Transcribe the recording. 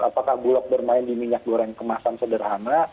apakah bulog bermain di minyak goreng kemasan sederhana